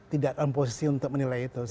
tidak dalam posisi untuk menilai itu